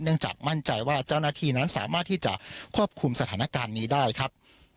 จากมั่นใจว่าเจ้าหน้าที่นั้นสามารถที่จะควบคุมสถานการณ์นี้ได้ครับ